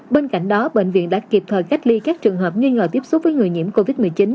bên cạnh đó bệnh viện đã kịp thời cách ly các trường hợp nghi ngờ tiếp xúc với người nhiễm covid một mươi chín